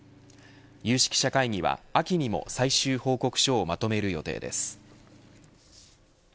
有識者会議は秋にも最終報告書をまとめる予定です。